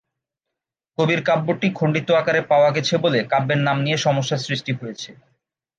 কবির কাব্যটি খন্ডিত আকারে পাওয়া গেছে বলে কাব্যের নাম নিয়ে সমস্যা সৃষ্টি হয়েছে।